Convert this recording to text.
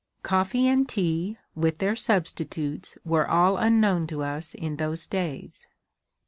Coffee and tea, with their substitutes, were all unknown to us in those days.